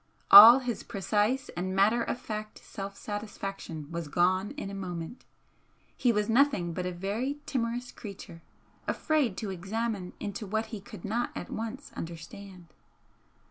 All his precise and matter of fact self satisfaction was gone in a moment, he was nothing but a very timorous creature, afraid to examine into what he could not at once understand.